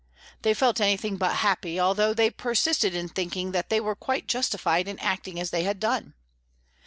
They felt anything but happy, although they persisted in thinking that they were quite justified in acting as they had done.